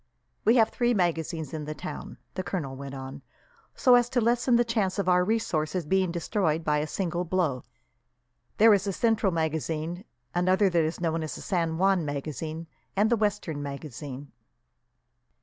"We have three magazines in the town," the colonel went on, "so as to lessen the chance of our resources being destroyed by a single blow. There is the Central magazine, another that is known as the San Juan magazine, and the Western magazine."